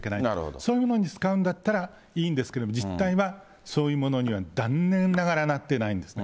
そういうものに使うんだったらいいんですけど、実態はそういうものには残念ながらなっていないんですね。